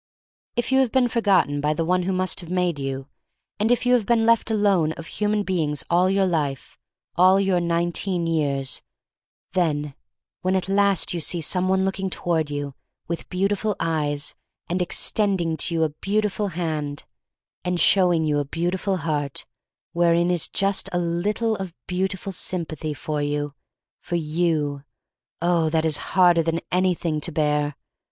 If you have been forgotten by the one who must have made you, and if you have been left alone of human beings all your life — all your nineteen years — then, when at last you see some one looking toward you with beautiful eyes, and extending to you a beautiful hand, and showing you a beautiful heart wherein is just a little of beauti ful sympathy for you — for you— oh, that is harder than anything to bear.